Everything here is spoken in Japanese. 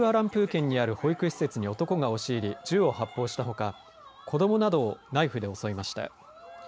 県にある保育施設に男が押し入り、銃を発砲したほか子どもなどをナイフで襲いました。